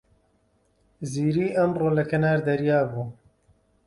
زیری ئەمڕۆ لە کەنار دەریا بوو.